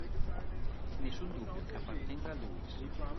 Nessun dubbio che appartenga a Loïs!